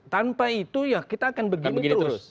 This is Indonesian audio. tanpa itu ya kita akan begini terus